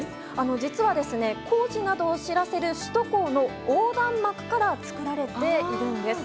実は、工事などを知らせる首都高の横断幕から作られているんです。